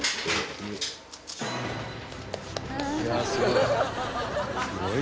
「いやあすごい。